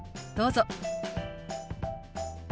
どうぞ。